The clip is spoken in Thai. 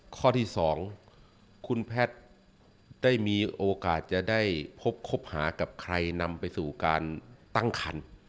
ข้อที่๒คุณแพทย์ได้มีโอกาสจะได้พบคบหากับใครนำไปสู่การตั้งคัน